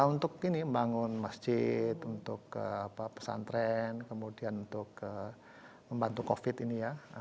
untuk ini membangun masjid untuk pesantren kemudian untuk membantu covid ini ya